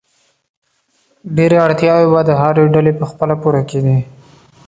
ډېری اړتیاوې به د هرې ډلې په خپله پوره کېدې.